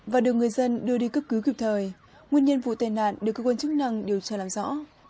và được người dân đưa đi cấp cứu kịp thời nguyên nhân vụ tai nạn được cơ quan chức năng điều tra làm rõ